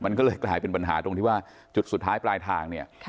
มันก็เลยกลายเป็นปัญหาตรงที่ว่าจุดสุดท้ายปลายทางเนี่ย